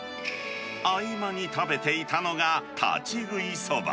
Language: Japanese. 合間に食べていたのが、立ち食いそば。